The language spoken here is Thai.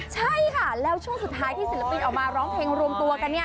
ใช่ค่ะแล้วช่วงสุดท้ายที่ศิลปินออกมาร้องเพลงรวมตัวกันเนี่ย